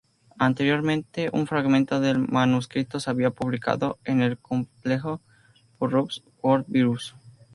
Anteriormente, un fragmento del manuscrito se había publicado en el compendio Burroughs, Word Virus.